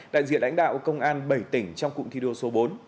đại diện lãnh đạo công an bảy tỉnh trong cụm thi đua số bốn